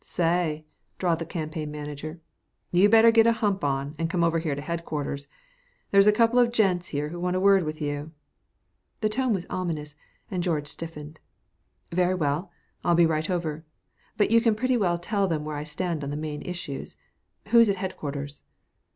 "Say," drawled the campaign manager, "you'd better get a hump on, and come over here to headquarters. There's a couple of gents here who want a word with you." The tone was ominous, and George stiffened. "Very well, I'll be right over. But you can pretty well tell them where I stand on the main issues. Who's at headquarters?"